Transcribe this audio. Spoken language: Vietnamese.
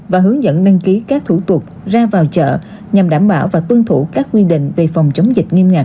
và hướng dẫn đăng ký các thủ tục ra vào chợ nhằm đảm bảo và tuân thủ các quy định về phòng chống dịch nghiêm ngặt